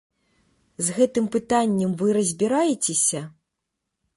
З гэтым пытаннем вы разбіраецеся?